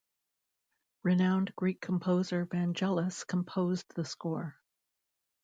Renowned Greek composer Vangelis composed the score.